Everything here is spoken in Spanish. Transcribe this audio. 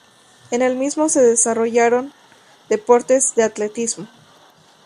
En el mismo se desarrollaron deportes de atletismo.